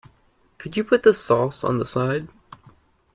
Could you put the sauce on the side?